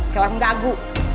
kayak orang dagu